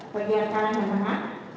bagian kanan dan tengah